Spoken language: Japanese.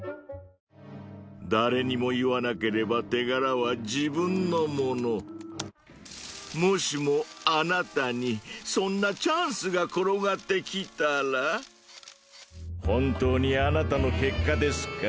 誰にも言わなければ手柄は自分のものもしもアナタにそんなチャンスが転がってきたら本当にアナタの結果ですか